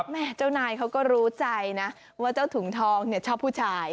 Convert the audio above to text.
แม่เจ้านายเขาก็รู้ใจนะว่าเจ้าถุงทองชอบผู้ชาย